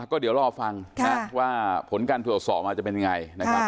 ก็เดี๋ยวรอฟังนะว่าผลการตรวจสอบมาจะเป็นยังไงนะครับ